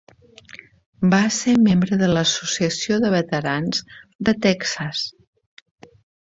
Va ser membre de l'Associació de veterans de Texas.